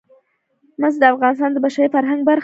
مس د افغانستان د بشري فرهنګ برخه ده.